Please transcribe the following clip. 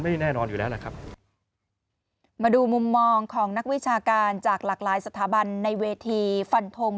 มาดูมุมมองของนักวิชาการจากหลากหลายสถาบันในเวทีฟันทง